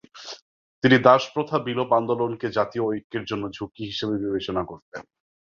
তিনি দাসপ্রথা বিলোপ আন্দোলনকে জাতীয় ঐক্যের জন্য ঝুঁকি হিসেবে বিবেচনা করতেন।